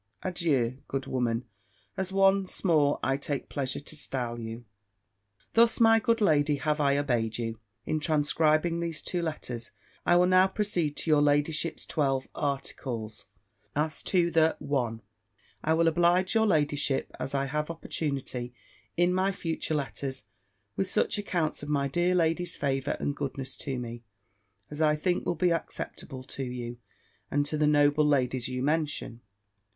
Adieu, good woman; as once more I take pleasure to style you." Thus, my good lady, have I obeyed you, in transcribing these two letters. I will now proceed to your ladyship's twelve articles. As to the 1. I will oblige your ladyship, as I have opportunity, in my future letters, with such accounts of my dear lady's favour and goodness to me, as I think will be acceptable to you, and to the noble ladies you mention.